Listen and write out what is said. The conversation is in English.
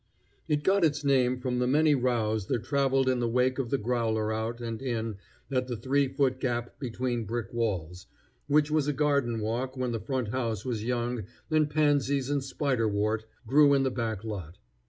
It got its name from the many rows that traveled in the wake of the growler out and in at the three foot gap between brick walls, which was a garden walk when the front house was young and pansies and spiderwort grew in the back lot.